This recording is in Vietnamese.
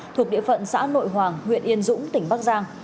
thuộc địa phận xã nội hoàng huyện yên dũng tỉnh bắc giang